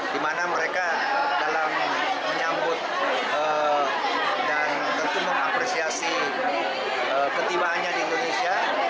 di mana mereka dalam menyambut dan tentu mengapresiasi ketibaannya di indonesia